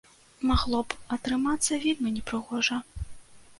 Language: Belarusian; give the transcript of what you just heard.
Магло б атрымацца вельмі непрыгожа.